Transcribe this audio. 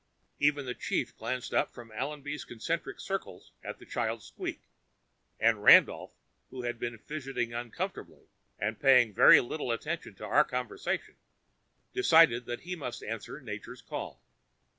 Even the chief glanced up from Allenby's concentric circles at the child's squeak. And Randolph, who had been fidgeting uncomfortably and paying very little attention to our conversation, decided that he must answer Nature's call.